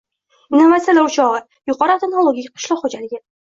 Innovatsiyalar o‘chog‘i. Yuqori texnologik qishloq xo‘jaligi.